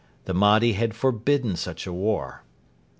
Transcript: The Mahdi had forbidden such a war.